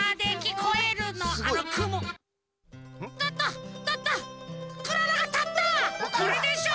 これでしょ！